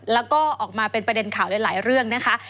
แล้วก็ออกมาเป็นประเด็นข่าวหลายเรื่องนะคะ